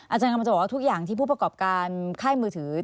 อาจารย์กำลังจะบอกว่าทุกอย่างที่ผู้ประกอบการค่ายมือถือ